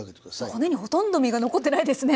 骨にほとんど身が残ってないですね。